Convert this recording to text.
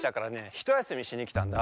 ひとやすみしにきたんだ。